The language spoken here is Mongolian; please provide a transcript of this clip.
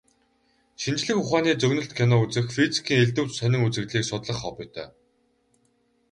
Шинжлэх ухааны зөгнөлт кино үзэх, физикийн элдэв сонин үзэгдлийг судлах хоббитой.